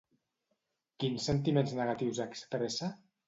Quins sentiments negatius expressa?